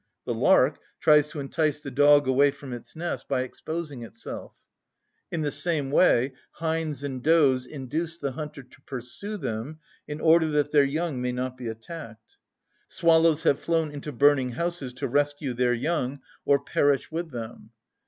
The lark tries to entice the dog away from its nest by exposing itself. In the same way hinds and does induce the hunter to pursue them in order that their young may not be attacked. Swallows have flown into burning houses to rescue their young or perish with them.